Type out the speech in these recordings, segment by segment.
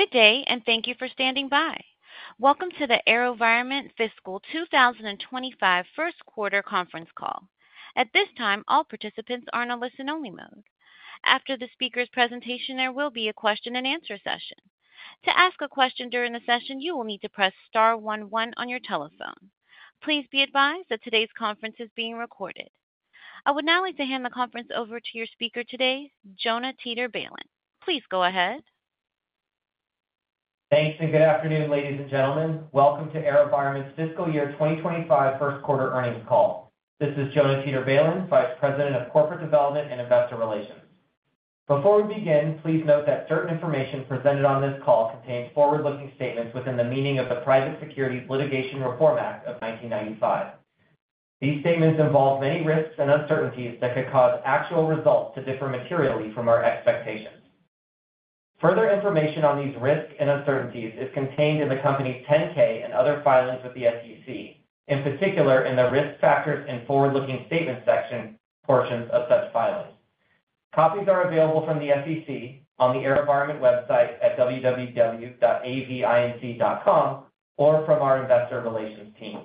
Good day, and thank you for standing by. Welcome to the AeroVironment Fiscal 2025 first quarter conference call. At this time, all participants are in a listen-only mode. After the speaker's presentation, there will be a question-and-answer session. To ask a question during the session, you will need to press star one one on your telephone. Please be advised that today's conference is being recorded. I would now like to hand the conference over to your speaker today, Jonah Teeter-Balin. Please go ahead. Thanks, and good afternoon, ladies and gentlemen. Welcome to AeroVironment's fiscal year 2025 first quarter earnings call. This is Jonah Teeter-Balin, Vice President of Corporate Development and Investor Relations. Before we begin, please note that certain information presented on this call contains forward-looking statements within the meaning of the Private Securities Litigation Reform Act of 1995. These statements involve many risks and uncertainties that could cause actual results to differ materially from our expectations. Further information on these risks and uncertainties is contained in the company's 10-K and other filings with the SEC. In particular, in the risk factors and forward-looking statement section, portions of such filings. Copies are available from the SEC on the AeroVironment website at www.avinc.com or from our Investor Relations team.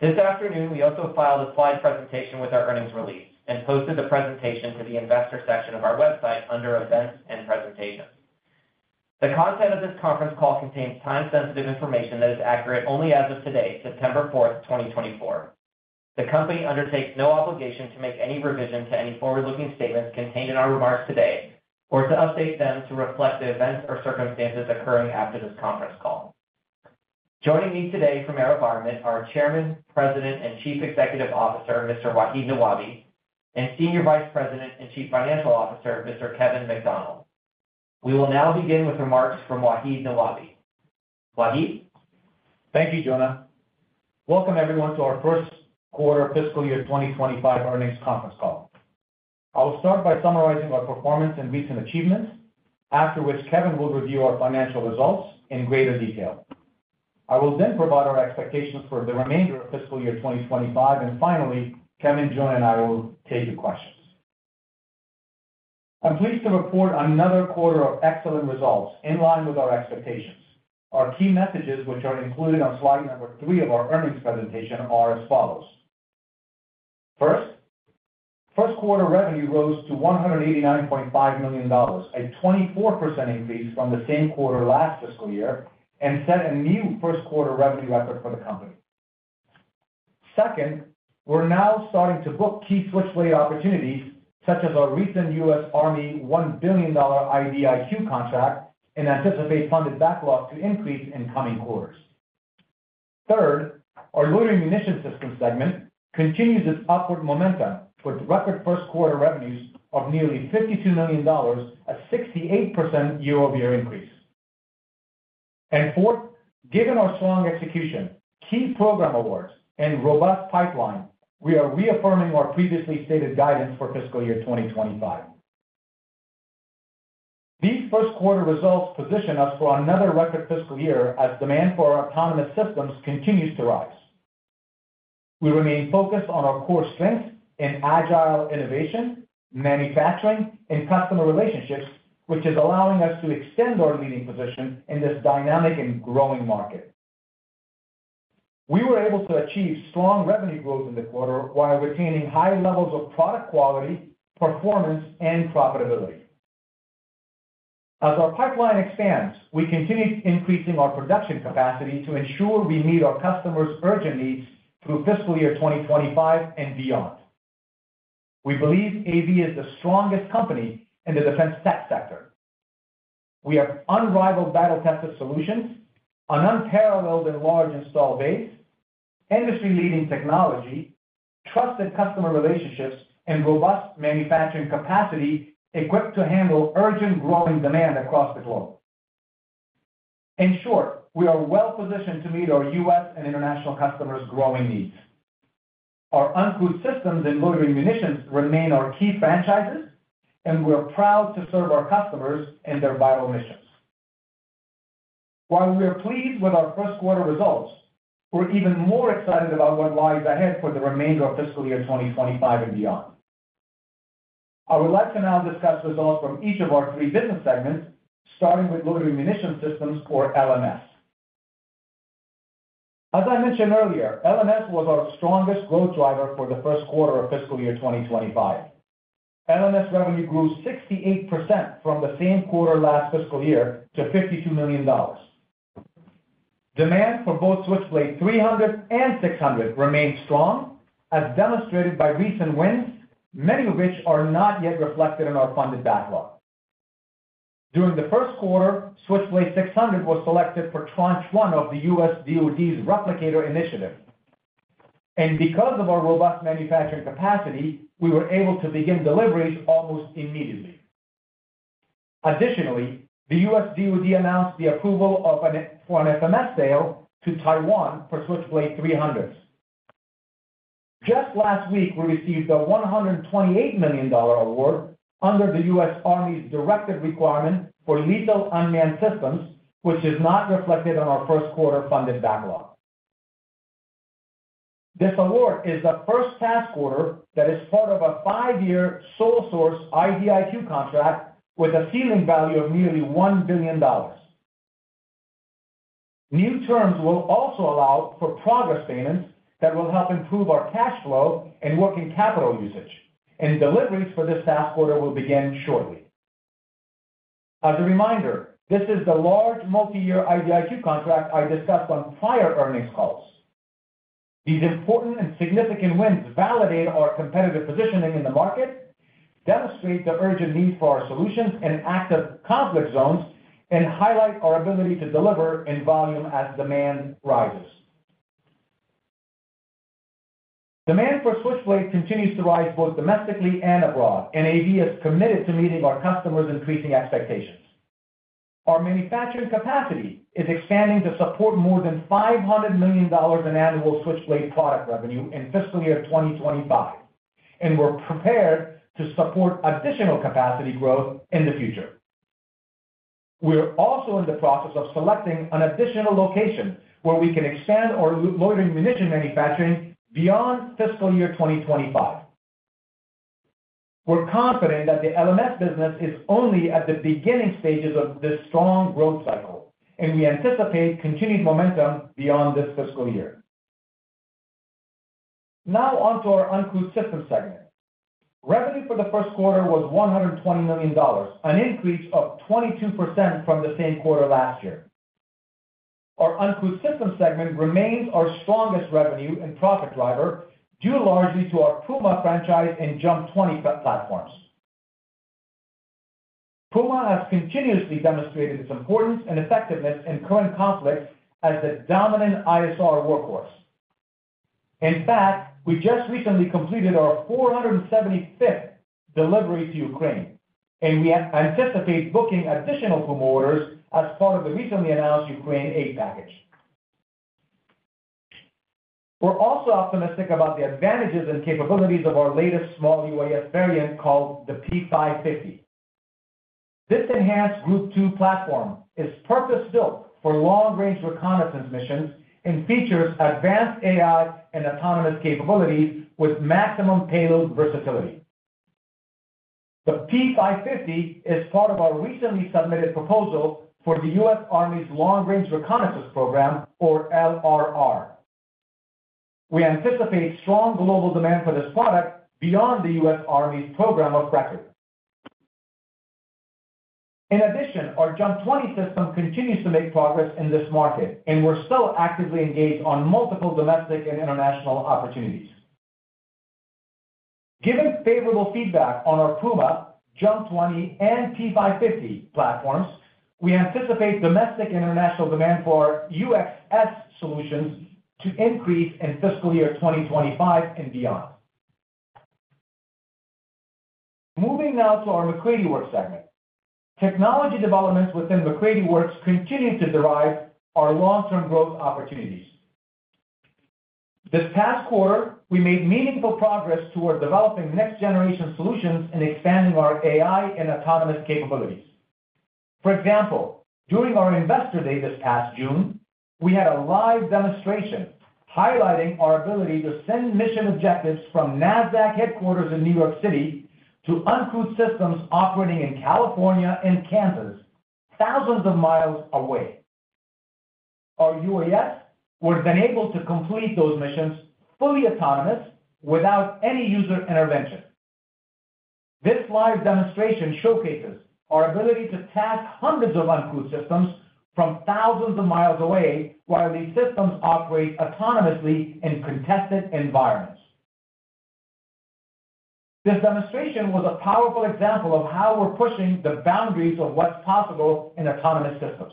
This afternoon, we also filed a slide presentation with our earnings release and posted the presentation to the investor section of our website under Events and Presentations. The content of this conference call contains time-sensitive information that is accurate only as of today, September fourth, twenty twenty-four. The company undertakes no obligation to make any revision to any forward-looking statements contained in our remarks today or to update them to reflect the events or circumstances occurring after this conference call. Joining me today from AeroVironment are Chairman, President, and Chief Executive Officer, Mr. Wahid Nawabi, and Senior Vice President and Chief Financial Officer, Mr. Kevin McDonnell. We will now begin with remarks from Wahid Nawabi. Wahid? Thank you, Jonah. Welcome, everyone, to our first quarter fiscal year 2025 earnings conference call. I will start by summarizing our performance and recent achievements. After which, Kevin will review our financial results in greater detail. I will then provide our expectations for the remainder of fiscal year 2025, and finally, Kevin, Jonah, and I will take your questions. I'm pleased to report another quarter of excellent results in line with our expectations. Our key messages, which are included on slide number three of our earnings presentation, are as follows. First, first quarter revenue rose to $189.5 million, a 24% increase from the same quarter last fiscal year, and set a new first quarter revenue record for the company. Second, we're now starting to book key Switchblade opportunities, such as our recent U.S. Army $1 billion IDIQ contract and anticipate funded backlog to increase in coming quarters. Third, our Loitering Munition System segment continues its upward momentum with record first quarter revenues of nearly $52 million, a 68% year-over-year increase. And fourth, given our strong execution, key program awards, and robust pipeline, we are reaffirming our previously stated guidance for fiscal year 2025. These first quarter results position us for another record fiscal year as demand for our autonomous systems continues to rise. We remain focused on our core strengths in agile innovation, manufacturing, and customer relationships, which is allowing us to extend our leading position in this dynamic and growing market. We were able to achieve strong revenue growth in the quarter while retaining high levels of product quality, performance, and profitability. As our pipeline expands, we continue increasing our production capacity to ensure we meet our customers' urgent needs through fiscal year 2025 and beyond. We believe AV is the strongest company in the defense tech sector. We have unrivaled battle-tested solutions, an unparalleled and large install base, industry-leading technology, trusted customer relationships, and robust manufacturing capacity equipped to handle urgent, growing demand across the globe. In short, we are well positioned to meet our U.S. and international customers' growing needs. Our Uncrewed Systems and loitering munitions remain our key franchises, and we are proud to serve our customers and their vital missions. While we are pleased with our first quarter results, we're even more excited about what lies ahead for the remainder of fiscal year 2025 and beyond. I would like to now discuss results from each of our three business segments, starting with Loitering Munition Systems, or LMS. As I mentioned earlier, LMS was our strongest growth driver for the first quarter of fiscal year 2025. LMS revenue grew 68% from the same quarter last fiscal year to $52 million. Demand for both Switchblade 300 and 600 remains strong, as demonstrated by recent wins, many of which are not yet reflected in our funded backlog. During the first quarter, Switchblade 600 was selected for Tranche 1 of the U.S. DoD's Replicator initiative, and because of our robust manufacturing capacity, we were able to begin deliveries almost immediately. Additionally, the U.S. DoD announced the approval of an FMS sale to Taiwan for Switchblade 300s. Just last week, we received a $128 million award under the U.S. Army's directive requirement for Lethal Unmanned Systems, which is not reflected on our first quarter funded backlog. This award is the first task order that is part of a five-year sole source IDIQ contract with a ceiling value of nearly $1 billion. New terms will also allow for progress payments that will help improve our cash flow and working capital usage, and deliveries for this task order will begin shortly. As a reminder, this is the large multi-year IDIQ contract I discussed on prior earnings calls. These important and significant wins validate our competitive positioning in the market, demonstrate the urgent need for our solutions in active conflict zones, and highlight our ability to deliver in volume as demand rises. Demand for Switchblade continues to rise both domestically and abroad, and AV is committed to meeting our customers' increasing expectations. Our manufacturing capacity is expanding to support more than $500 million in annual Switchblade product revenue in fiscal year 2025, and we're prepared to support additional capacity growth in the future. We're also in the process of selecting an additional location where we can expand our loitering munition manufacturing beyond fiscal year 2025. We're confident that the LMS business is only at the beginning stages of this strong growth cycle, and we anticipate continued momentum beyond this fiscal year. Now on to our Uncrewed Systems segment. Revenue for the first quarter was $120 million, an increase of 22% from the same quarter last year. Our Uncrewed Systems segment remains our strongest revenue and profit driver, due largely to our Puma franchise and JUMP 20 platforms. Puma has continuously demonstrated its importance and effectiveness in current conflicts as the dominant ISR workhorse. In fact, we just recently completed our four hundred and seventy-fifth delivery to Ukraine, and we anticipate booking additional Puma orders as part of the recently announced Ukraine aid package. We're also optimistic about the advantages and capabilities of our latest small UAS variant, called the P550. This enhanced Group 2 platform is purpose-built for long-range reconnaissance missions and features advanced AI and autonomous capabilities with maximum payload versatility. The P550 is part of our recently submitted proposal for the U.S. Army's Long Range Reconnaissance program, or LRR. We anticipate strong global demand for this product beyond the U.S. Army's program of record. In addition, our JUMP 20 system continues to make progress in this market, and we're still actively engaged on multiple domestic and international opportunities. Given favorable feedback on our Puma, JUMP 20, and P550 platforms, we anticipate domestic and international demand for UXS solutions to increase in fiscal year 2025 and beyond. Moving now to our MacCready Works segment. Technology developments within MacCready Works continue to drive our long-term growth opportunities. This past quarter, we made meaningful progress toward developing next-generation solutions and expanding our AI and autonomous capabilities. For example, during our Investor Day this past June, we had a live demonstration highlighting our ability to send mission objectives from Nasdaq headquarters in New York City to uncrewed systems operating in California and Kansas, thousands of miles away. Our UAS were then able to complete those missions fully autonomous without any user intervention. This live demonstration showcases our ability to task hundreds of uncrewed systems from thousands of miles away, while these systems operate autonomously in contested environments. This demonstration was a powerful example of how we're pushing the boundaries of what's possible in autonomous systems.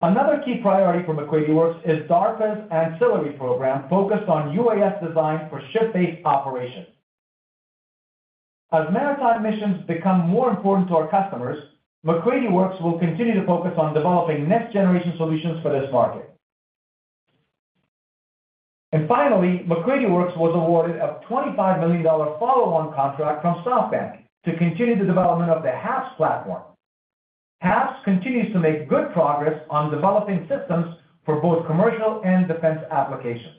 Another key priority for MacCready Works is DARPA's ANCILLARY program, focused on UAS design for ship-based operations. As maritime missions become more important to our customers, MacCready Works will continue to focus on developing next-generation solutions for this market. Finally, MacCready Works was awarded a $25 million follow-on contract from SoftBank to continue the development of the HAPS platform. HAPS continues to make good progress on developing systems for both commercial and defense applications.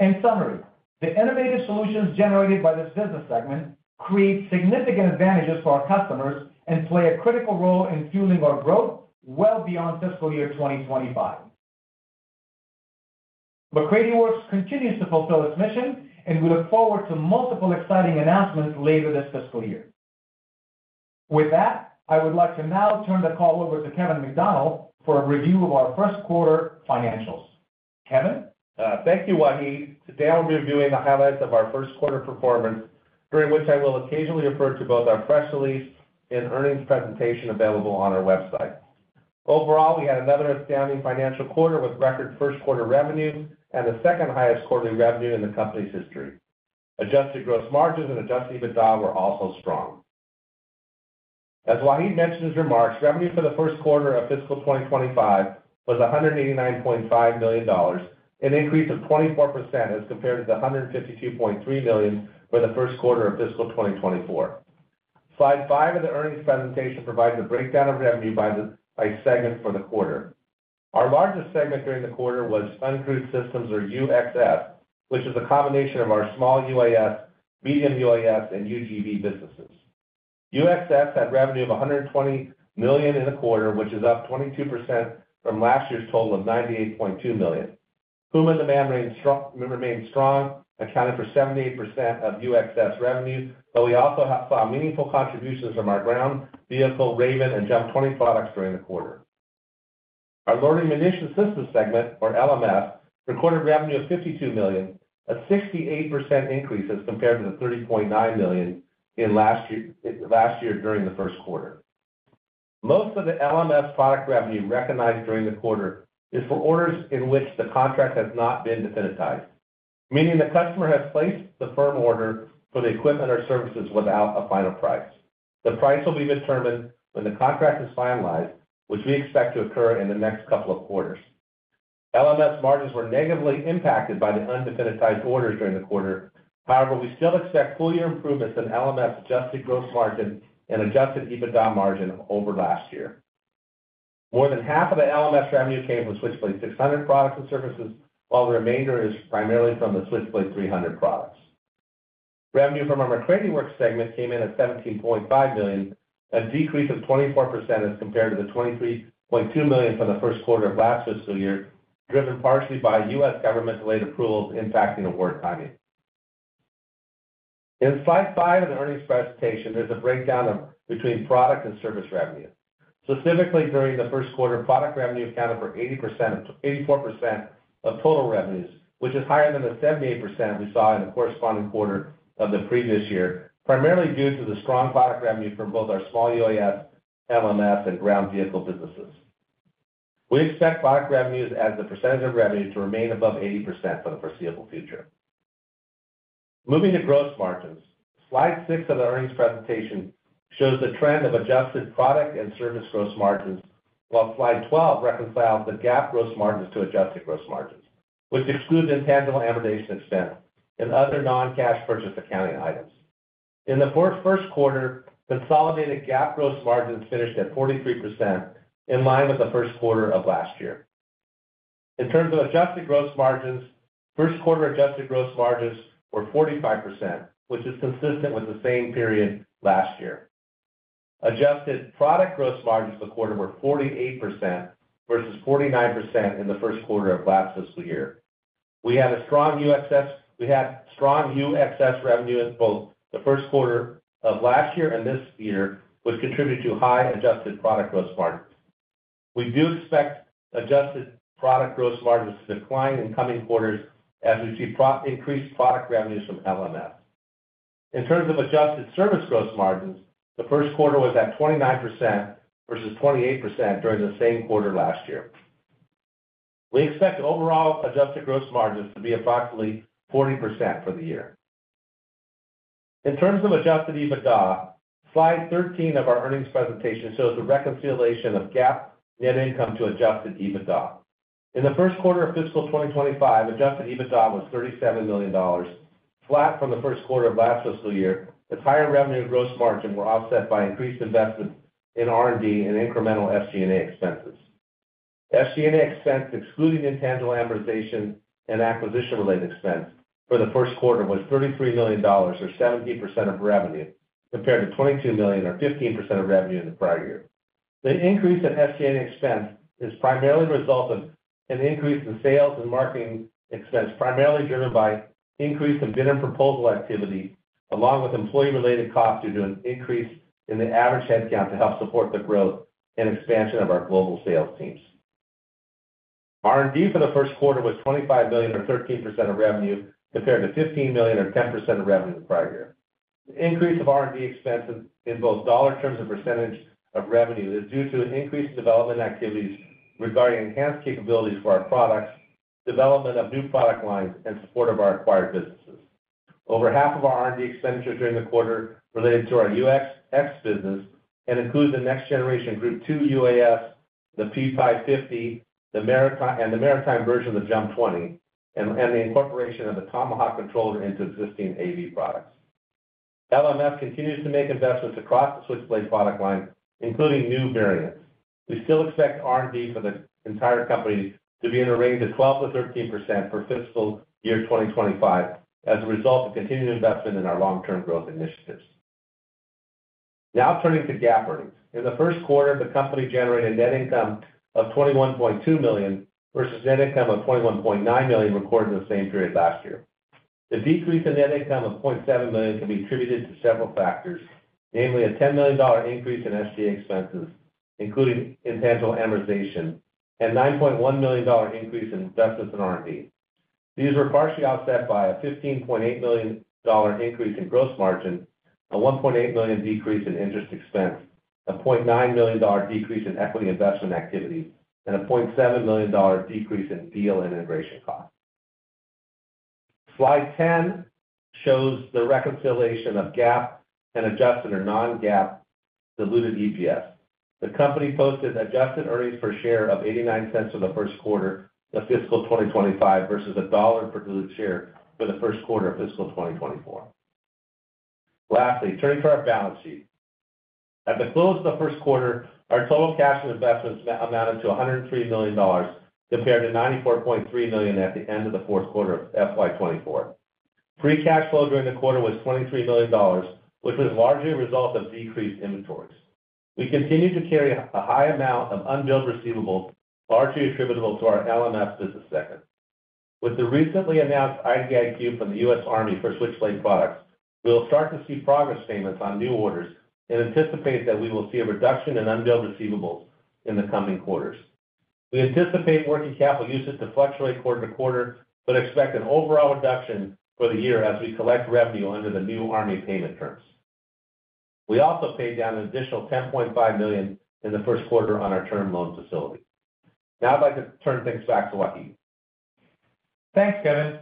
In summary, the innovative solutions generated by this business segment create significant advantages for our customers and play a critical role in fueling our growth well beyond Fiscal Year 2025. MacCready Works continues to fulfill its mission, and we look forward to multiple exciting announcements later this fiscal year. With that, I would like to now turn the call over to Kevin McDonnell for a review of our first quarter financials. Kevin? Thank you, Wahid. Today, I'll be reviewing the highlights of our first quarter performance, during which I will occasionally refer to both our press release and earnings presentation available on our website. Overall, we had another outstanding financial quarter with record first quarter revenue and the second highest quarterly revenue in the company's history. Adjusted gross margins and adjusted EBITDA were also strong. As Wahid mentioned in his remarks, revenue for the first quarter of fiscal 2025 was $189.5 million, an increase of 24% as compared to the $152.3 million for the first quarter of fiscal 2024. Slide five of the earnings presentation provides a breakdown of revenue by segment for the quarter. Our largest segment during the quarter was Uncrewed Systems, or UXS, which is a combination of our small UAS, medium UAS, and UGV businesses. UXS had revenue of $120 million in the quarter, which is up 22% from last year's total of $98.2 million. Puma demand remains strong, remained strong, accounting for 78% of UXS revenue, but we also have saw meaningful contributions from our ground vehicle, Raven, and JUMP 20 products during the quarter. Our Loitering Munition System segment, or LMS, recorded revenue of $52 million, a 68% increase as compared to the $30.9 million in last year, last year during the first quarter. Most of the LMS product revenue recognized during the quarter is for orders in which the contract has not been definitized, meaning the customer has placed the firm order for the equipment or services without a final price. The price will be determined when the contract is finalized, which we expect to occur in the next couple of quarters. LMS margins were negatively impacted by the undefinitized orders during the quarter. However, we still expect full year improvements in LMS adjusted gross margin and adjusted EBITDA margin over last year. More than half of the LMS revenue came from Switchblade 600 products and services, while the remainder is primarily from the Switchblade 300 products. Revenue from our MacCready Works segment came in at $17.5 million, a decrease of 24% as compared to the $23.2 million from the first quarter of last fiscal year, driven partially by U.S. government-related approvals impacting award timing. In slide five of the earnings presentation, there's a breakdown of between product and service revenue. Specifically during the first quarter, product revenue accounted for 80%, 84% of total revenues, which is higher than the 78% we saw in the corresponding quarter of the previous year, primarily due to the strong product revenue for both our small UAS, LMS, and ground vehicle businesses. We expect product revenues as a percentage of revenue to remain above 80% for the foreseeable future. Moving to gross margins. Slide 6 of the earnings presentation shows the trend of adjusted product and service gross margins, while slide 12 reconciles the GAAP gross margins to adjusted gross margins, which excludes intangible amortization expense and other non-cash purchase accounting items. In the first quarter, consolidated GAAP gross margins finished at 43%, in line with the first quarter of last year. In terms of adjusted gross margins, first quarter adjusted gross margins were 45%, which is consistent with the same period last year. Adjusted product gross margins for the quarter were 48% versus 49% in the first quarter of last fiscal year. We had strong UXS revenue in both the first quarter of last year and this year, which contributed to high adjusted product gross margins. We do expect adjusted product gross margins to decline in coming quarters as we see increased product revenues from LMS. In terms of adjusted service gross margins, the first quarter was at 29% versus 28% during the same quarter last year. We expect overall adjusted gross margins to be approximately 40% for the year. In terms of adjusted EBITDA, slide 13 of our earnings presentation shows a reconciliation of GAAP net income to adjusted EBITDA. In the first quarter of fiscal twenty twenty-five, adjusted EBITDA was $37 million, flat from the first quarter of last fiscal year, as higher revenue and gross margin were offset by increased investment in R&D and incremental SG&A expenses. SG&A expense, excluding intangible amortization and acquisition-related expense for the first quarter, was $33 million or 17% of revenue, compared to $22 million or 15% of revenue in the prior year. The increase in SG&A expense is primarily a result of an increase in sales and marketing expense, primarily driven by increase in bid and proposal activity, along with employee-related costs due to an increase in the average headcount to help support the growth and expansion of our global sales teams. R&D for the first quarter was $25 million or 13% of revenue, compared to $15 million or 10% of revenue in the prior year. The increase of R&D expenses in both dollar terms and percentage of revenue is due to increased development activities regarding enhanced capabilities for our products, development of new product lines, and support of our acquired businesses. Over half of our R&D expenditures during the quarter related to our UXS business and includes the next generation Group 2 UAS, the P550, the maritime, and the maritime version of the JUMP 20, and the incorporation of the Tomahawk controller into existing AV products. LMS continues to make investments across the Switchblade product line, including new variants. We still expect R&D for the entire company to be in a range of 12%-13% for fiscal year 2025 as a result of continued investment in our long-term growth initiatives. Now turning to GAAP earnings. In the first quarter, the company generated net income of $21.2 million, versus net income of $21.9 million recorded in the same period last year. The decrease in net income of $0.7 million can be attributed to several factors, namely a $10 million increase in SG&A expenses, including intangible amortization, and $9.1 million increase in investments in R&D. These were partially offset by a $15.8 million increase in gross margin, a $1.8 million decrease in interest expense, a $0.9 million decrease in equity investment activity, and a $0.7 million decrease in deal integration cost. Slide 10 shows the reconciliation of GAAP and adjusted or non-GAAP diluted EPS. The company posted adjusted earnings per share of $0.89 for the first quarter of fiscal 2025, versus $1 per diluted share for the first quarter of fiscal 2024. Lastly, turning to our balance sheet. At the close of the first quarter, our total cash and investments amounted to $103 million, compared to $94.3 million at the end of the fourth quarter of FY 2024. Free cash flow during the quarter was $23 million, which was largely a result of decreased inventories. We continue to carry a high amount of unbilled receivables, largely attributable to our LMS business segment. With the recently announced IDIQ from the U.S. Army for Switchblade products, we will start to see progress payments on new orders and anticipate that we will see a reduction in unbilled receivables in the coming quarters. We anticipate working capital usage to fluctuate quarter to quarter, but expect an overall reduction for the year as we collect revenue under the new Army payment terms. We also paid down an additional $10.5 million in the first quarter on our term loan facility. Now I'd like to turn things back to Wahid. Thanks, Kevin.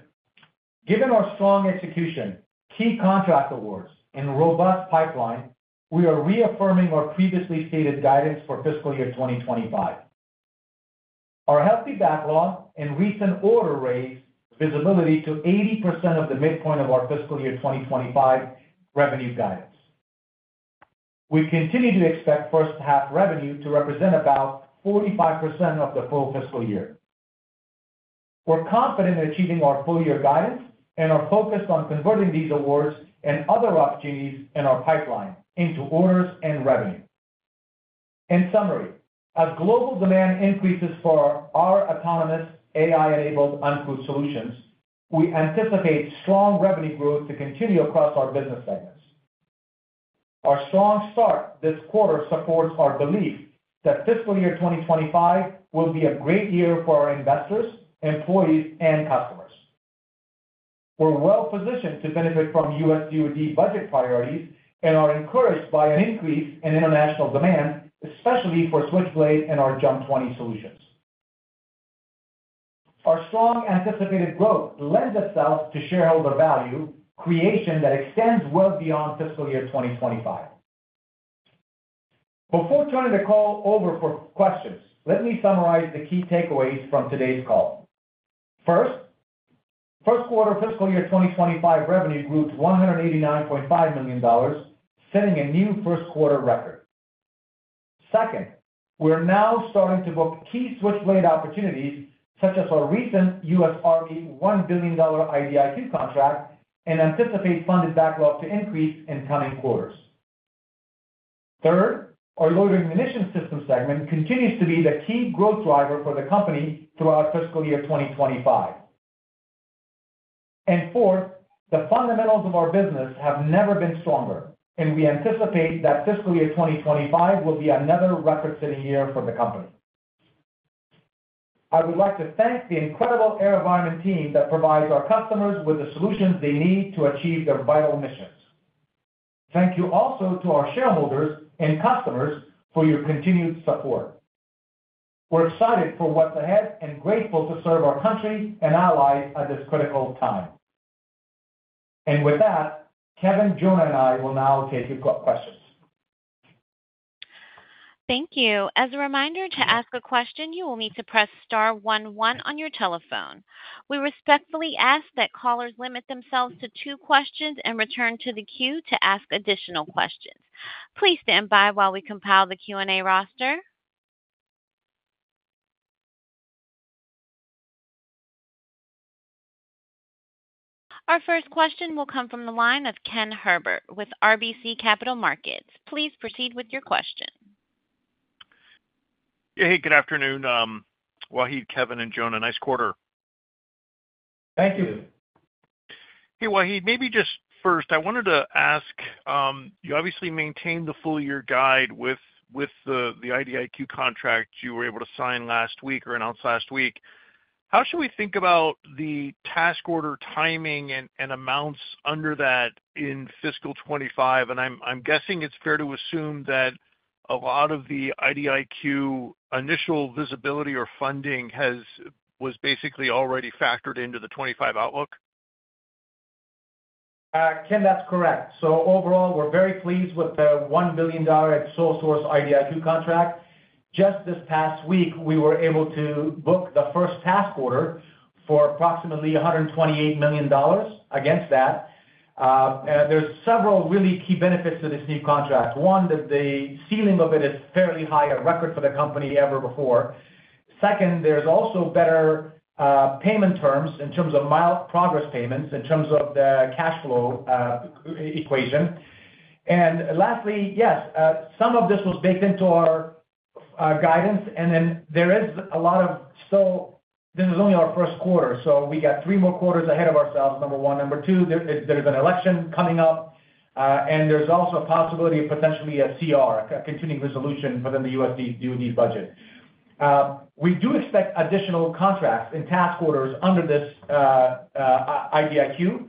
Given our strong execution, key contract awards, and robust pipeline, we are reaffirming our previously stated guidance for Fiscal Year 2025. Our healthy backlog and recent order rates visibility to 80% of the midpoint of our Fiscal Year 2025 revenue guidance. We continue to expect first half revenue to represent about 45% of the full fiscal year. We're confident in achieving our full year guidance and are focused on converting these awards and other opportunities in our pipeline into orders and revenue. In summary, as global demand increases for our autonomous AI-enabled uncrewed solutions, we anticipate strong revenue growth to continue across our business segments. Our strong start this quarter supports our belief that Fiscal Year 2025 will be a great year for our investors, employees, and customers. We're well positioned to benefit from U.S. DoD budget priorities and are encouraged by an increase in international demand, especially for Switchblade and our JUMP 20 solutions. Our strong anticipated growth lends itself to shareholder value creation that extends well beyond Fiscal Year 2025. Before turning the call over for questions, let me summarize the key takeaways from today's call. First, first quarter Fiscal Year 2025 revenue grew to $189.5 million, setting a new first quarter record. Second, we are now starting to book key Switchblade opportunities, such as our recent U.S. Army $1 billion IDIQ contract, and anticipate funded backlog to increase in coming quarters. Third, our loitering munition system segment continues to be the key growth driver for the company throughout Fiscal Year 2025. Fourth, the fundamentals of our business have never been stronger, and we anticipate that fiscal year 2025 will be another record-setting year for the company. I would like to thank the incredible AeroVironment team that provides our customers with the solutions they need to achieve their vital missions. Thank you also to our shareholders and customers for your continued support. We're excited for what's ahead and grateful to serve our country and allies at this critical time. With that, Kevin, Jonah, and I will now take your questions. Thank you. As a reminder, to ask a question, you will need to press star one one on your telephone. We respectfully ask that callers limit themselves to two questions and return to the queue to ask additional questions. Please stand by while we compile the Q&A roster. Our first question will come from the line of Ken Herbert with RBC Capital Markets. Please proceed with your question. Yeah, hey, good afternoon, Wahid, Kevin, and Jonah. Nice quarter. Thank you. Thank you. Hey, Wahid, maybe just first, I wanted to ask. You obviously maintained the full year guide with the IDIQ contract you were able to sign last week or announce last week. How should we think about the task order, timing, and amounts under that in fiscal 2025? I'm guessing it's fair to assume that a lot of the IDIQ initial visibility or funding was basically already factored into the 2025 outlook. Ken, that's correct. So overall, we're very pleased with the $1 billion sole source IDIQ contract. Just this past week, we were able to book the first task order for approximately $128 million against that. And there's several really key benefits to this new contract. One, that the ceiling of it is fairly high, a record for the company ever before. Second, there's also better payment terms in terms of milestone progress payments, in terms of the cash flow equation. And lastly, yes, some of this was baked into our guidance, and then there is a lot of so this is only our first quarter, so we got three more quarters ahead of ourselves, number one. Number two, there, there's an election coming up, and there's also a possibility of potentially a CR, a continuing resolution within the U.S. DoD budget. We do expect additional contracts and task orders under this, IDIQ,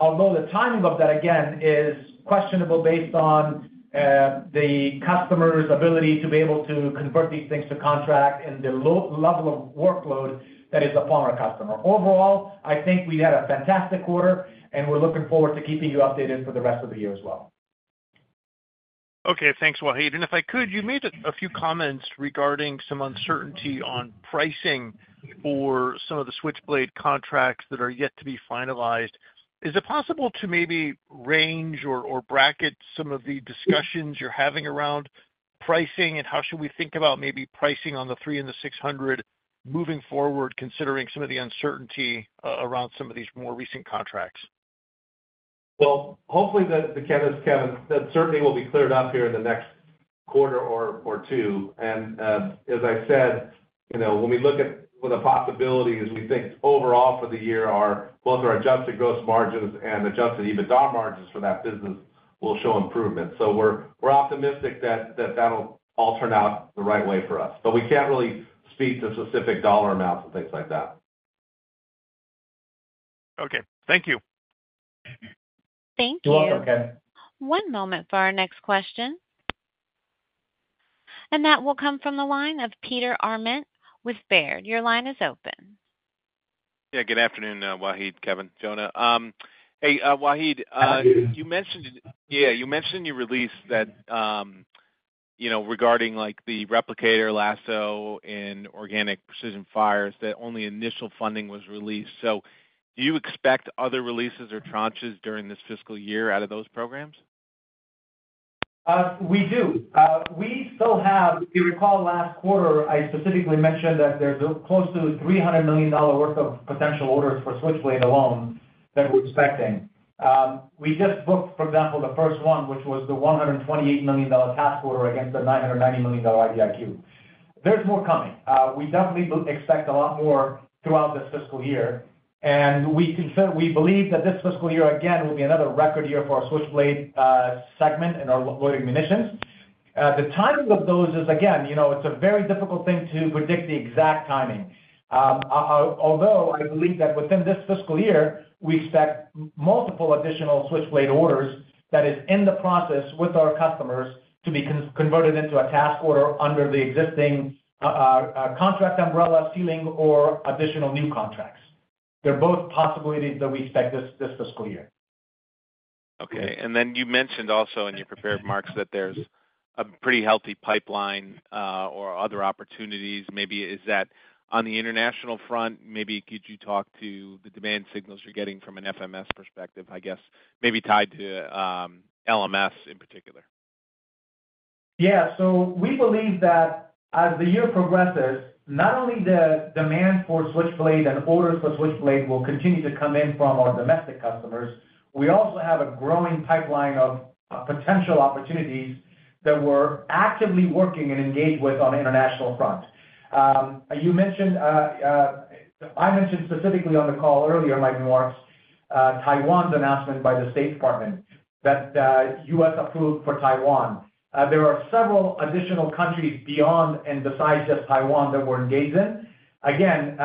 although the timing of that, again, is questionable based on, the customer's ability to be able to convert these things to contract and the low level of workload that is upon our customer. Overall, I think we had a fantastic quarter, and we're looking forward to keeping you updated for the rest of the year as well. Okay, thanks, Wahid. And if I could, you made a few comments regarding some uncertainty on pricing for some of the Switchblade contracts that are yet to be finalized. Is it possible to maybe range or, or bracket some of the discussions you're having around pricing? And how should we think about maybe pricing on the three and the six hundred moving forward, considering some of the uncertainty around some of these more recent contracts? Hopefully, that the chemist, Kevin, that certainly will be cleared up here in the next quarter or two. As I said, you know, when we look at the possibilities, we think overall for the year, both our adjusted gross margins and adjusted EBITDA margins for that business will show improvement. We're optimistic that that'll all turn out the right way for us. But we can't really speak to specific dollar amounts and things like that. Okay. Thank you. Thank you. You're welcome. One moment for our next question. And that will come from the line of Peter Arment with Baird. Your line is open. Yeah, good afternoon, Wahid, Kevin, Jonah. Hey, Wahid, you mentioned- Hi, Peter. Yeah, you mentioned in your release that, you know, regarding, like, the Replicator, LASSO, and Organic Precision Fires, that only initial funding was released. So do you expect other releases or tranches during this fiscal year out of those programs? We do. We still have, if you recall, last quarter, I specifically mentioned that there's close to $300 million worth of potential orders for Switchblade alone that we're expecting. We just booked, for example, the first one, which was the $128 million task order against the $990 million IDIQ. There's more coming. We definitely expect a lot more throughout this fiscal year, and we believe that this fiscal year, again, will be another record year for our Switchblade segment and our loitering munitions. The timing of those is, again, you know, it's a very difficult thing to predict the exact timing. Although I believe that within this fiscal year, we expect multiple additional Switchblade orders that is in the process with our customers to be converted into a task order under the existing contract umbrella ceiling or additional new contracts. They're both possibilities that we expect this fiscal year. Okay. And then you mentioned also in your prepared remarks that there's a pretty healthy pipeline, or other opportunities. Maybe is that on the international front? Maybe could you talk to the demand signals you're getting from an FMS perspective, I guess, maybe tied to, LMS in particular? Yeah. So we believe that as the year progresses, not only the demand for Switchblade and orders for Switchblade will continue to come in from our domestic customers, we also have a growing pipeline of potential opportunities that we're actively working and engaged with on the international front. I mentioned specifically on the call earlier, my remarks, Taiwan's announcement by the State Department, that U.S. approved for Taiwan. There are several additional countries beyond and besides just Taiwan, that we're engaged in. Again,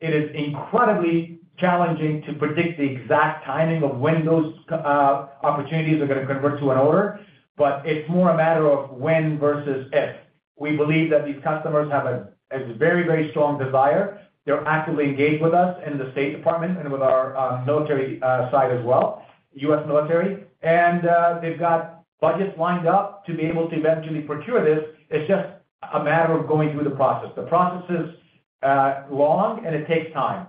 it is incredibly challenging to predict the exact timing of when those opportunities are gonna convert to an order, but it's more a matter of when versus if. We believe that these customers have a very, very strong desire. They're actively engaged with us in the State Department and with our military side as well, U.S. military, and they've got budgets lined up to be able to eventually procure this. It's just a matter of going through the process. The process is long and it takes time,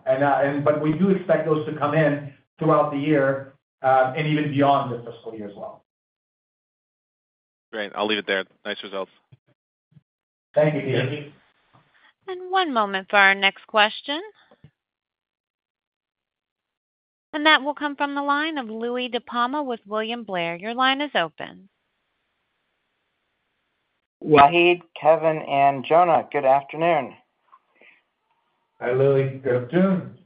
but we do expect those to come in throughout the year and even beyond this fiscal year as well. Great. I'll leave it there. Nice results. Thank you, Peter. One moment for our next question. That will come from the line of Louis DiPalma with William Blair. Your line is open. Wahid, Kevin, and Jonah, good afternoon. Hi, Louis. Good afternoon.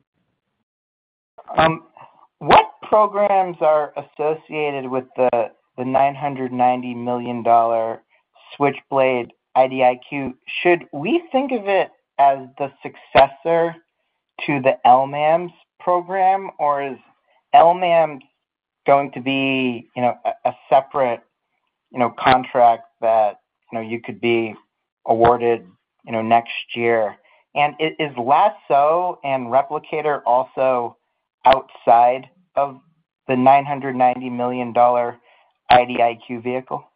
What programs are associated with the $990 million Switchblade IDIQ? Should we think of it as the successor to the LMAMS program, or is LMAMS going to be, you know, a separate, you know, contract that, you know, you could be awarded, you know, next year? And is LASSO and Replicator also outside of the $990 million IDIQ vehicle?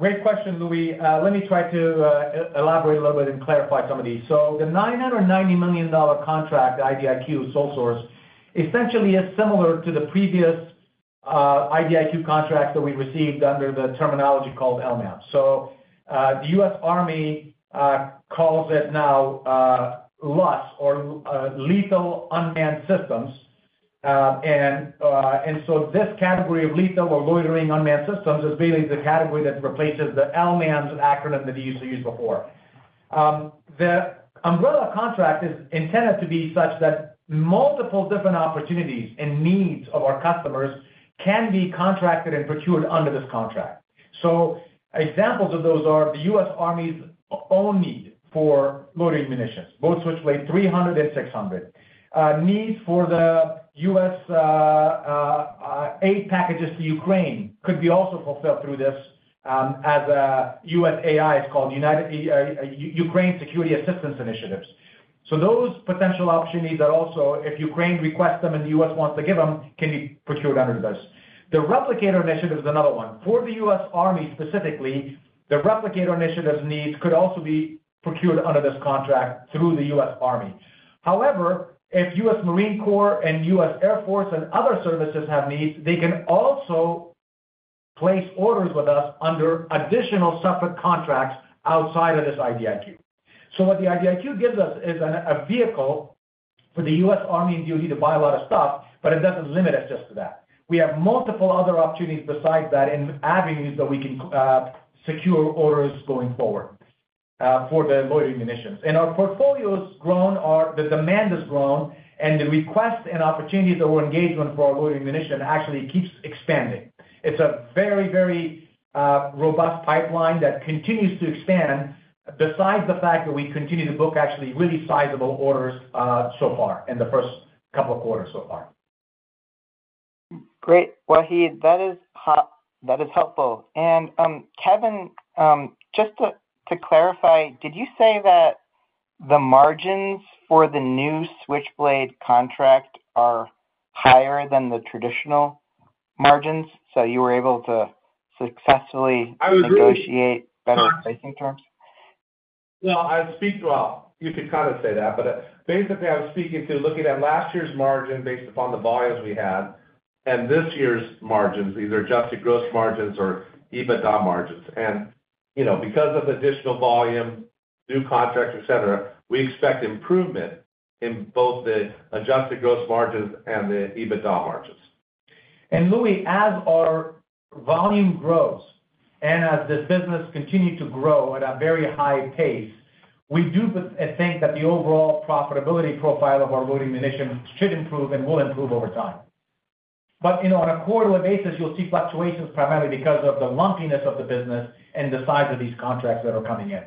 Great question, Louis. Let me try to elaborate a little bit and clarify some of these, so the $990 million contract, IDIQ, sole source, essentially is similar to the previous IDIQ contract that we received under the terminology called LMAMS, so the U.S. Army calls it now LAS, or Lethal Unmanned Systems, and so this category of lethal or loitering unmanned systems is basically the category that replaces the LMAMS acronym that we used to use before. The umbrella contract is intended to be such that multiple different opportunities and needs of our customers can be contracted and procured under this contract, so examples of those are the U.S. Army's own need for loitering munitions, both Switchblade 300 and 600. Needs for the U.S., aid packages to Ukraine could be also fulfilled through this, USAI, it's called Ukraine Security Assistance Initiative. So those potential opportunities are also, if Ukraine requests them and the U.S. wants to give them, can be procured under this. The Replicator initiative is another one. For the U.S. Army, specifically, the Replicator initiative's needs could also be procured under this contract through the U.S. Army. However, if U.S. Marine Corps and U.S. Air Force and other services have needs, they can also place orders with us under additional separate contracts outside of this IDIQ. So what the IDIQ gives us is a vehicle for the U.S. Army and DoD to buy a lot of stuff, but it doesn't limit us just to that. We have multiple other opportunities besides that, and avenues that we can secure orders going forward for the loitering munitions, and our portfolio's grown, or the demand has grown, and the requests and opportunities that we're engaged on for our loitering munition actually keeps expanding. It's a very, very robust pipeline that continues to expand, besides the fact that we continue to book actually really sizable orders so far, in the first couple of quarters so far. Great. Wahid, that is hot, that is helpful. And, Kevin, just to clarify, did you say that the margins for the new Switchblade contract are higher than the traditional margins, so you were able to successfully- I would agree. negotiate better pricing terms? You could kind of say that, but, basically, I was speaking to looking at last year's margin based upon the volumes we had and this year's margins, either adjusted gross margins or EBITDA margins. And, you know, because of additional volume, new contracts, et cetera, we expect improvement in both the adjusted gross margins and the EBITDA margins. Louis, as our volume grows and as this business continue to grow at a very high pace, we do think that the overall profitability profile of our loitering munition should improve and will improve over time. You know, on a quarterly basis, you'll see fluctuations primarily because of the lumpiness of the business and the size of these contracts that are coming in.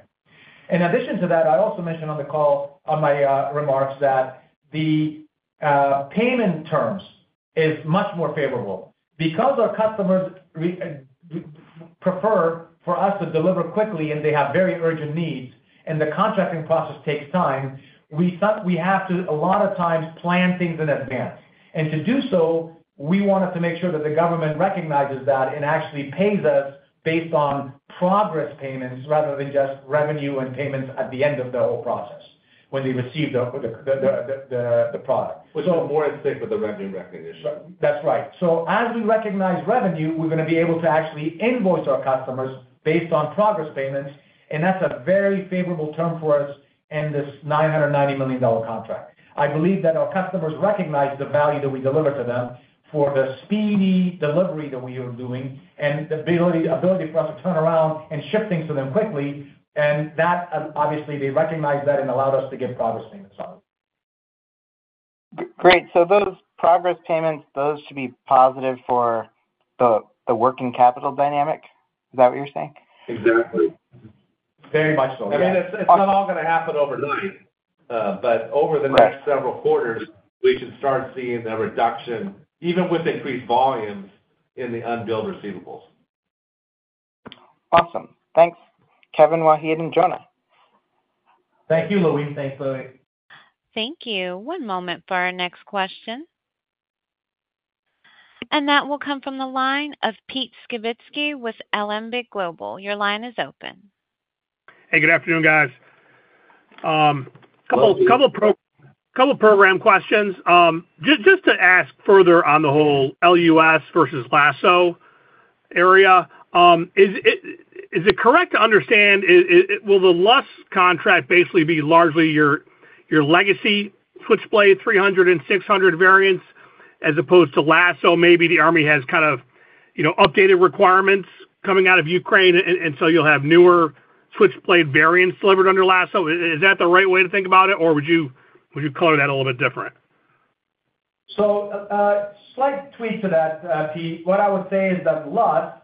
In addition to that, I also mentioned on the call, on my remarks, that the payment terms is much more favorable. Because our customers prefer for us to deliver quickly, and they have very urgent needs, and the contracting process takes time, we thought we have to, a lot of times, plan things in advance. To do so, we wanted to make sure that the government recognizes that and actually pays us based on progress payments rather than just revenue and payments at the end of the whole process when they receive the product. So- Which is more in sync with the revenue recognition. That's right. So as we recognize revenue, we're gonna be able to actually invoice our customers based on progress payments, and that's a very favorable term for us in this $990 million contract. I believe that our customers recognize the value that we deliver to them for the speedy delivery that we are doing and the ability for us to turn around and ship things to them quickly, and that, obviously, they recognize that and allowed us to get progress payments on it. Great, so those progress payments, those should be positive for the working capital dynamic? Is that what you're saying? Exactly. Very much so. I mean, it's not all gonna happen overnight, but over the- Right... next several quarters, we should start seeing a reduction, even with increased volumes, in the unbilled receivables. Awesome. Thanks, Kevin, Wahid, and Jonah. Thank you, Louis. Thanks, Louis. Thank you. One moment for our next question. And that will come from the line of Pete Skibitski with Alembic Global Advisors. Your line is open. Hey, good afternoon, guys. Hello, Pete. Couple program questions. Just to ask further on the whole LUS versus LASSO area, is it correct to understand, will the LAS contract basically be largely your legacy Switchblade 300 and 600 variants, as opposed to LASSO? Maybe the Army has kind of, you know, updated requirements coming out of Ukraine, and so you'll have newer Switchblade variants delivered under LASSO. Is that the right way to think about it, or would you color that a little bit different? So, slight tweak to that, Pete. What I would say is that LAS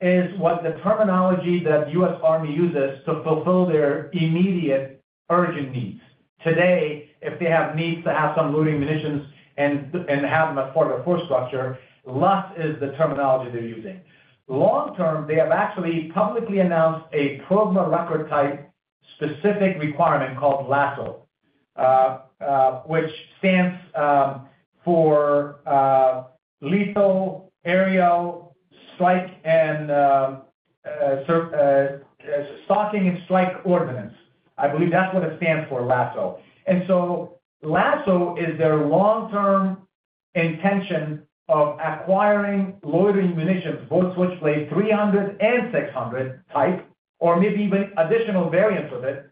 is the terminology that U.S. Army uses to fulfill their immediate urgent needs. Today, if they have needs to have some loitering munitions and have them as part of their force structure, LAS is the terminology they're using. Long term, they have actually publicly announced a program requirement type specific requirement called LASSO, which stands for Low Altitude Stalking and Strike Ordnance. I believe that's what it stands for, LASSO. And so LASSO is their long-term intention of acquiring loitering munitions, both Switchblade 300 and 600 type, or maybe even additional variants of it,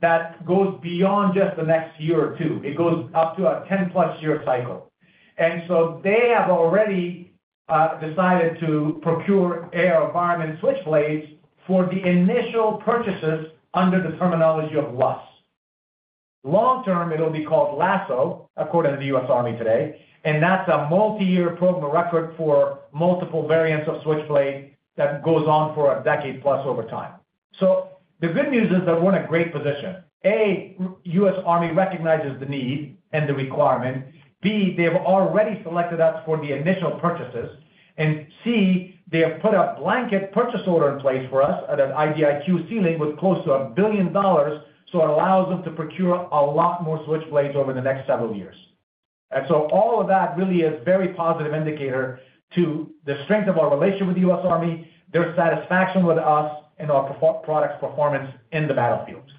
that goes beyond just the next year or two. It goes up to a 10-plus year cycle. They have already decided to procure AeroVironment Switchblades for the initial purchases under the terminology of LAS. Long-term, it'll be called LASSO, according to the U.S. Army today, and that's a multi-year program record for multiple variants of Switchblade that goes on for a decade plus over time. The good news is that we're in a great position. A, U.S. Army recognizes the need and the requirement. B, they have already selected us for the initial purchases. And C, they have put a blanket purchase order in place for us at an IDIQ ceiling with close to $1 billion, so it allows them to procure a lot more Switchblades over the next several years. And so all of that really is very positive indicator to the strength of our relationship with the U.S. Army, their satisfaction with us and our products performance in the battlefields.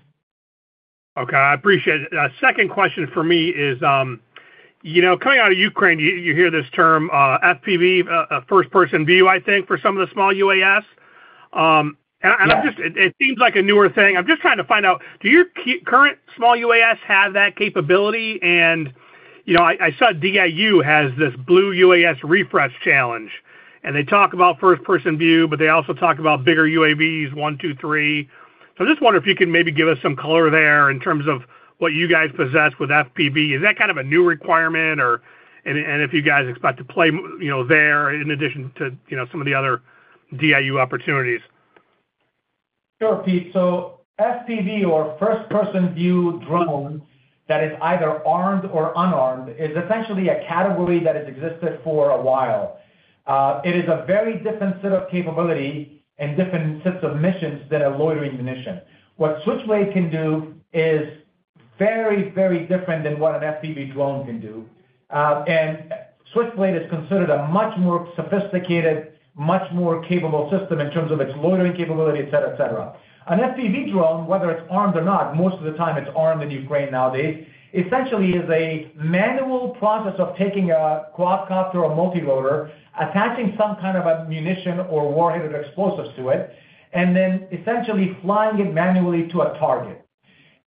Okay, I appreciate it. Second question for me is, you know, coming out of Ukraine, you hear this term, FPV, first-person view, I think, for some of the small UAS. And I'm just- Yeah. It seems like a newer thing. I'm just trying to find out, do your current small UAS have that capability? And, you know, I saw DIU has this Blue UAS Refresh challenge, and they talk about first-person view, but they also talk about bigger UAVs, one, two, three. So I just wonder if you could maybe give us some color there in terms of what you guys possess with FPV. Is that kind of a new requirement or and if you guys expect to play, you know, there in addition to, you know, some of the other DIU opportunities? Sure, Pete. So FPV or first-person view drone that is either armed or unarmed, is essentially a category that has existed for a while. It is a very different set of capability and different sets of missions than a loitering munition. What Switchblade can do is very, very different than what an FPV drone can do. And Switchblade is considered a much more sophisticated, much more capable system in terms of its loitering capability, et cetera, et cetera. An FPV drone, whether it's armed or not, most of the time it's armed in Ukraine nowadays, essentially is a manual process of taking a quadcopter or a multirotor, attaching some kind of a munition or warheaded explosives to it, and then essentially flying it manually to a target.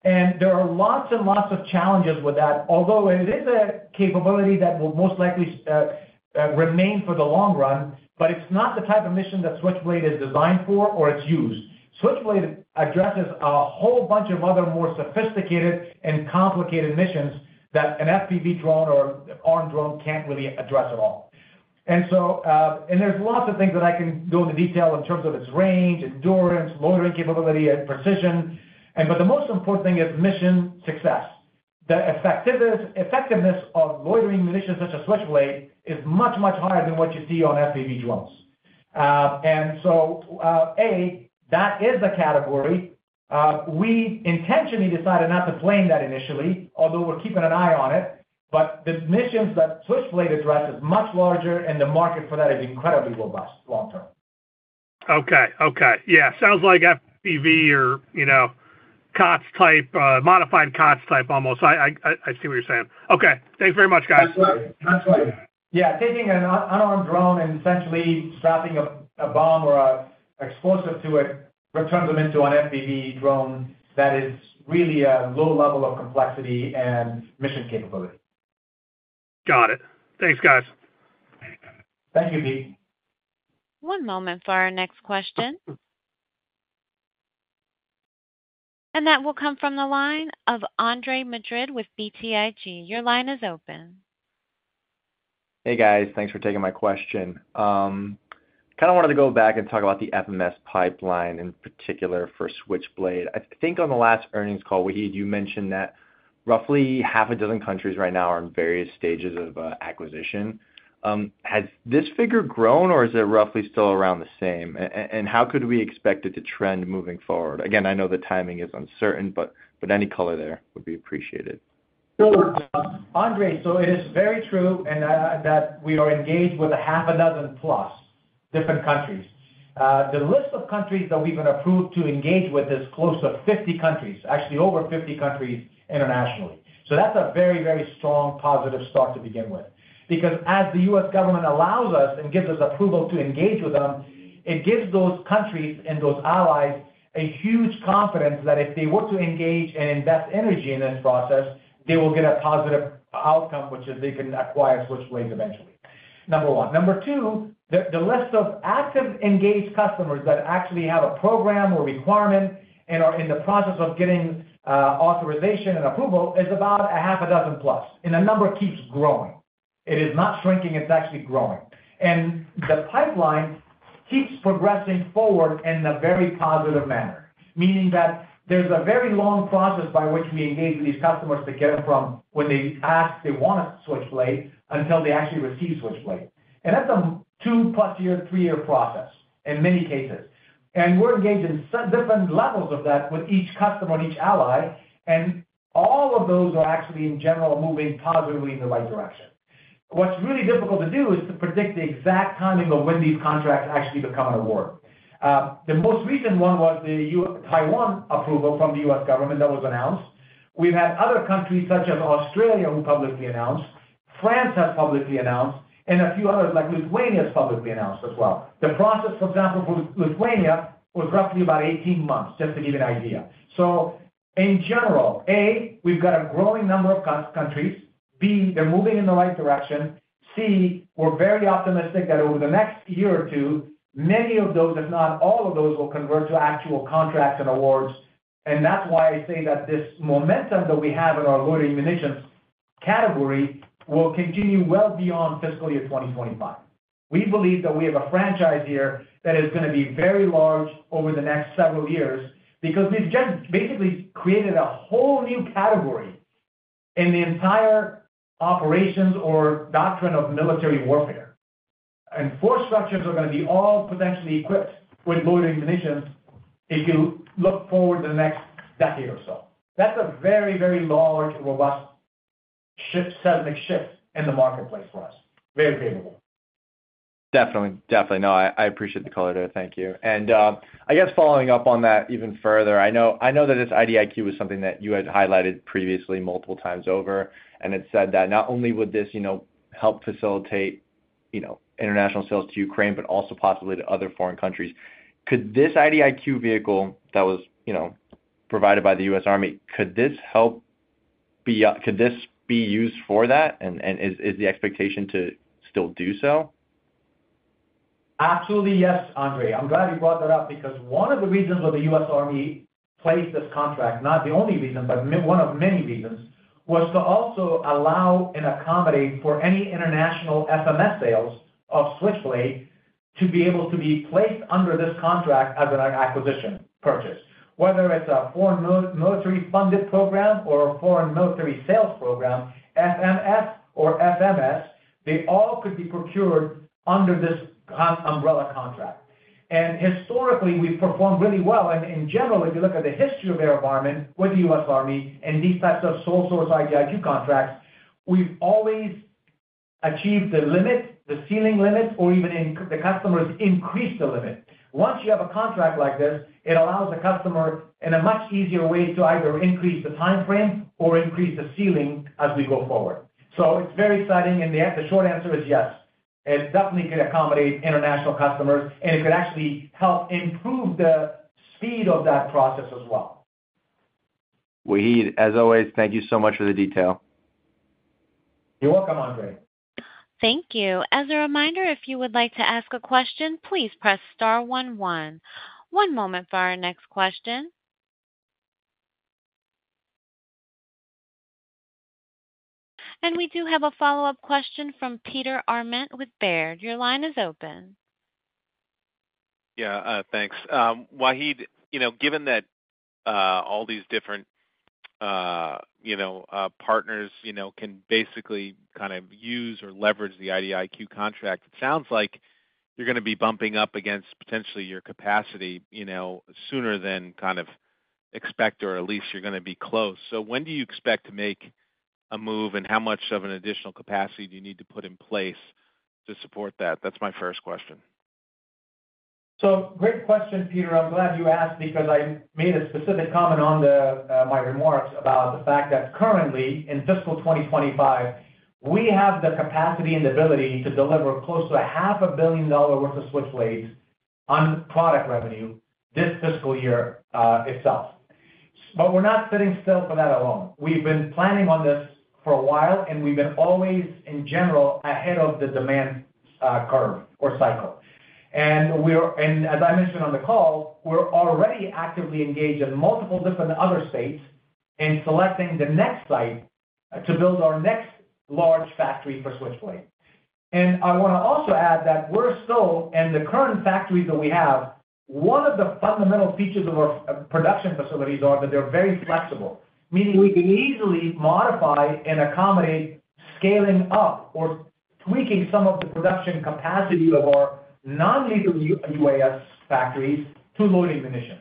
There are lots and lots of challenges with that, although it is a capability that will most likely remain for the long run, but it's not the type of mission that Switchblade is designed for or it's used. Switchblade addresses a whole bunch of other more sophisticated and complicated missions that an FPV drone or armed drone can't really address at all. And so, and there's lots of things that I can go into detail in terms of its range, endurance, loitering capability and precision. But the most important thing is mission success. The effectiveness of loitering munitions such as Switchblade is much, much higher than what you see on FPV drones. That is a category. We intentionally decided not to play in that initially, although we're keeping an eye on it. But the missions that Switchblade addresses is much larger, and the market for that is incredibly robust, long term. Okay. Okay. Yeah, sounds like FPV or, you know, COTS type, modified COTS type, almost. I see what you're saying. Okay, thanks very much, guys. That's right. That's right. Yeah, taking an unarmed drone and essentially strapping a bomb or an explosive to it turns them into an FPV drone that is really a low level of complexity and mission capability. Got it. Thanks, guys. Thank you, Pete. One moment for our next question, and that will come from the line of Andre Madrid with BTIG. Your line is open. Hey, guys, thanks for taking my question. Kind of wanted to go back and talk about the FMS pipeline, in particular for Switchblade. I think on the last earnings call, Wahid, you mentioned that roughly half a dozen countries right now are in various stages of acquisition. Has this figure grown, or is it roughly still around the same? And how could we expect it to trend moving forward? Again, I know the timing is uncertain, but any color there would be appreciated. Sure, Andre, so it is very true, and that we are engaged with a half a dozen plus different countries. The list of countries that we've been approved to engage with is close to 50 countries, actually over 50 countries internationally. So that's a very, very strong positive start to begin with. Because as the U.S. government allows us and gives us approval to engage with them, it gives those countries and those allies a huge confidence that if they were to engage and invest energy in this process, they will get a positive outcome, which is they can acquire Switchblade eventually, number one. Number two, the list of active, engaged customers that actually have a program or requirement and are in the process of getting authorization and approval is about a half a dozen plus, and the number keeps growing. It is not shrinking, it's actually growing. The pipeline keeps progressing forward in a very positive manner, meaning that there's a very long process by which we engage with these customers to get them from when they ask, they want a Switchblade, until they actually receive Switchblade. That's a two-plus year, three-year process in many cases. We're engaged in different levels of that with each customer and each ally, and all of those are actually, in general, moving positively in the right direction. What's really difficult to do is to predict the exact timing of when these contracts actually become an award. The most recent one was the U.S. Taiwan approval from the U.S. government that was announced. We've had other countries, such as Australia, who publicly announced, France has publicly announced, and a few others, like Lithuania, has publicly announced as well. The process, for example, for Lithuania, was roughly about 18 months, just to give you an idea. So in general, A, we've got a growing number of countries. B, they're moving in the right direction. C, we're very optimistic that over the next year or two, many of those, if not all of those, will convert to actual contracts and awards. And that's why I say that this momentum that we have in our loitering munitions category will continue well beyond Fiscal Year 2025. We believe that we have a franchise here that is gonna be very large over the next several years, because we've just basically created a whole new category in the entire operations or doctrine of military warfare. And force structures are gonna be all potentially equipped with loitering munitions if you look forward to the next decade or so. That's a very, very large, robust shift, seismic shift in the marketplace for us. Very favorable. Definitely, definitely. No, I, I appreciate the color there. Thank you. And, I guess following up on that even further, I know, I know that this IDIQ was something that you had highlighted previously multiple times over, and it said that not only would this, you know, help facilitate, you know, international sales to Ukraine, but also possibly to other foreign countries. Could this IDIQ vehicle that was, you know, provided by the U.S. Army, could this be used for that? And is the expectation to still do so? Absolutely, yes, Andre. I'm glad you brought that up, because one of the reasons why the U.S. Army placed this contract, not the only reason, but one of many reasons, was to also allow and accommodate for any international FMS sales of Switchblade to be able to be placed under this contract as an acquisition purchase. Whether it's a foreign military funded program or a foreign military sales program, FMF or FMS, they all could be procured under this umbrella contract. And historically, we've performed really well. And in general, if you look at the history of AeroVironment with the U.S. Army and these types of sole source IDIQ contracts, we've always achieved the limit, the ceiling limit, or even the customers increase the limit. Once you have a contract like this, it allows the customer in a much easier way to either increase the timeframe or increase the ceiling as we go forward. So it's very exciting, and the short answer is yes. It definitely could accommodate international customers, and it could actually help improve the speed of that process as well. Wahid, as always, thank you so much for the detail. You're welcome, Andre. Thank you. As a reminder, if you would like to ask a question, please press star one one. One moment for our next question. And we do have a follow-up question from Peter Arment with Baird. Your line is open. Yeah, thanks. Wahid, you know, given that, all these different, you know, partners, you know, can basically kind of use or leverage the IDIQ contract, it sounds like you're gonna be bumping up against potentially your capacity, you know, sooner than kind of expect, or at least you're gonna be close. So when do you expect to make a move, and how much of an additional capacity do you need to put in place to support that? That's my first question. Great question, Peter. I'm glad you asked, because I made a specific comment on the my remarks about the fact that currently, in fiscal 2025, we have the capacity and the ability to deliver close to $500 million worth of Switchblades on product revenue this fiscal year itself. But we're not sitting still for that alone. We've been planning on this for a while, and we've been always, in general, ahead of the demand curve or cycle. And we're, as I mentioned on the call, already actively engaged in multiple different other states in selecting the next site to build our next large factory for Switchblade. I want to also add that we're still, in the current factories that we have, one of the fundamental features of our production facilities are that they're very flexible, meaning we can easily modify and accommodate scaling up or tweaking some of the production capacity of our non-lethal UAS factories to loitering munitions.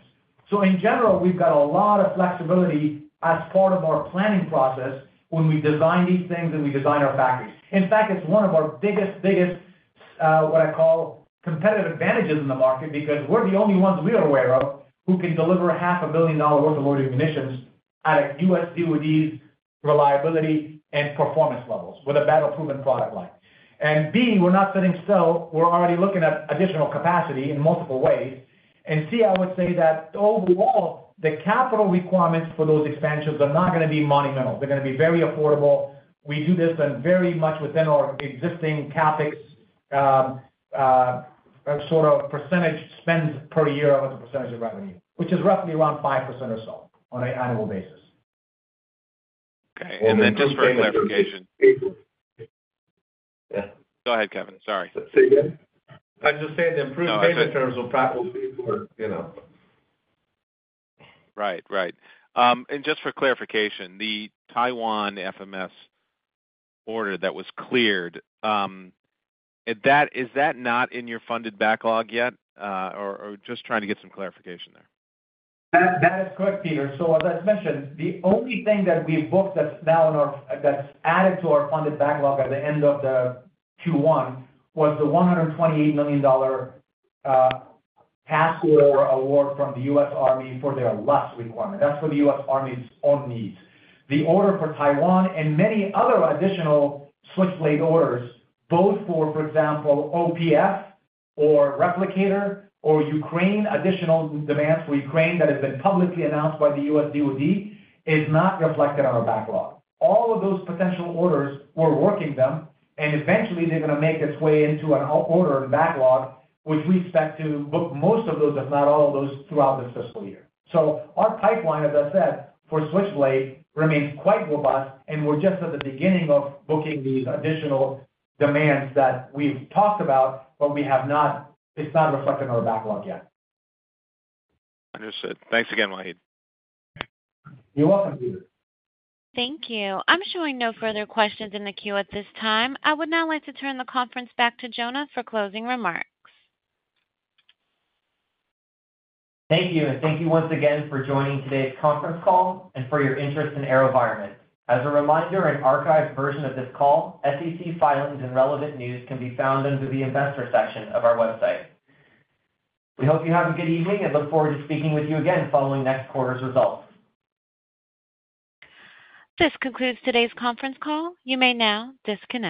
So in general, we've got a lot of flexibility as part of our planning process when we design these things and we design our factories. In fact, it's one of our biggest, biggest, what I call competitive advantages in the market, because we're the only ones we are aware of, who can deliver $500 million worth of loitering munitions at a U.S. DoD's reliability and performance levels with a battle-proven product line. And B, we're not sitting still, we're already looking at additional capacity in multiple ways. And C, I would say that overall, the capital requirements for those expansions are not gonna be monumental. They're gonna be very affordable. We do this and very much within our existing CapEx, sort of percentage spend per year as a percentage of revenue, which is roughly around 5% or so on an annual basis. Okay, and then just for clarification. Yeah. Go ahead, Kevin, sorry. Say again? I just said the improvement terms of practical, you know. Right. And just for clarification, the Taiwan FMS order that was cleared, is that not in your funded backlog yet? Or just trying to get some clarification there. That, that is correct, Peter. So as I mentioned, the only thing that we've booked that's now in our-- that's added to our funded backlog at the end of the Q1, was the $128 million pass-through award from the U.S. Army for their LUS requirement. That's for the U.S. Army's own needs. The order for Taiwan and many other additional Switchblade orders, both for, for example, OPF or Replicator or Ukraine, additional demands for Ukraine that have been publicly announced by the U.S. DoD, is not reflected on our backlog. All of those potential orders, we're working them, and eventually they're gonna make its way into an order and backlog, which we expect to book most of those, if not all of those, throughout this fiscal year. So our pipeline, as I said, for Switchblade remains quite robust, and we're just at the beginning of booking these additional demands that we've talked about, but we have not, it's not reflected on our backlog yet. Understood. Thanks again, Wahid. You're welcome, Peter. Thank you. I'm showing no further questions in the queue at this time. I would now like to turn the conference back to Jonah for closing remarks. Thank you, and thank you once again for joining today's conference call and for your interest in AeroVironment. As a reminder, an archived version of this call, SEC filings and relevant news can be found under the Investors section of our website. We hope you have a good evening and look forward to speaking with you again following next quarter's results. This concludes today's conference call. You may now disconnect.